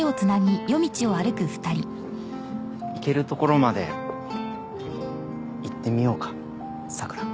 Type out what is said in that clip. いけるところまでいってみようか桜。